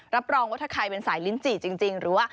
รับรองว่าถ้าใครเป็นสายลิ้นจี่จริงหรือว่า